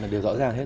điều rõ ràng hết